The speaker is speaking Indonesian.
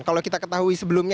kalau kita ketahui sebelumnya